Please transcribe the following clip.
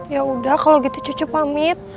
ya udah kalau gitu cucu pamit